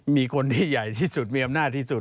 มีคนที่ใหญ่ที่สุดมีอำนาจที่สุด